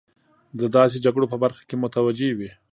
د داسې جګړو په برخه کې متوجه وي.